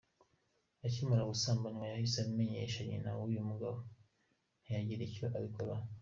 Akimara gusambanywa yahise abimenyesha nyina w’uyu mugabo, ntiyagira icyo abikoraho.